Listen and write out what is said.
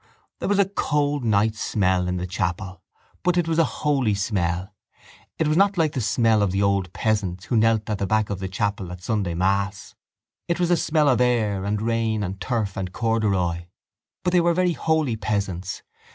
There was a cold night smell in the chapel. But it was a holy smell. It was not like the smell of the old peasants who knelt at the back of the chapel at Sunday mass. That was a smell of air and rain and turf and corduroy. But they were very holy peasants.